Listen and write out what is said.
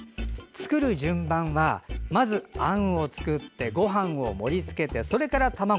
作る順番は、まず、あんを作ってごはんを盛りつけて、それから卵。